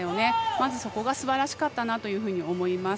まず、そこがすばらしかったなと思います。